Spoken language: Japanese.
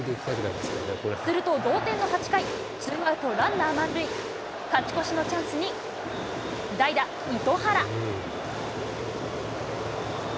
すると、同点の８回、ツーアウトランナー満塁、勝ち越しのチャンスに、代打、糸原。